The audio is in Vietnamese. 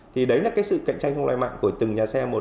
thì đấy là cái sự cạnh tranh không lành mạnh của từng nhà xe một